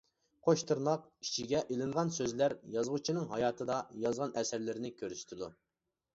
قوش تىرناق «» ئىچىگە ئېلىنغان سۆزلەر يازغۇچىنىڭ ھاياتىدا يازغان ئەسەرلىرىنى كۆرسىتىدۇ.